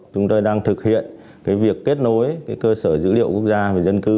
chúng tôi đang thực hiện việc kết nối cơ sở dữ liệu quốc gia về dân cư